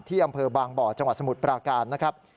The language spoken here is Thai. อำเภอบางบ่อจังหวัดสมุทรปราการนะครับ